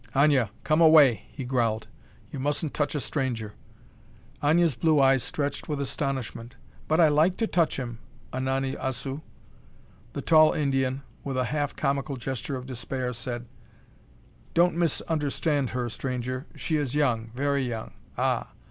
"Aña! Come away!" he growled. "You mustn't touch a stranger!" Aña's blue eyes stretched with astonishment. "But I like to touch him, Unani Assu!" The tall Indian, with a half comical gesture of despair, said: "Don't misunderstand her, stranger. She is young, very young, ah!